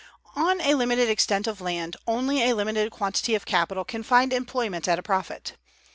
On a limited extent of land, only a limited quantity of capital can find employment at a profit.